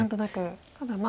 ただまあ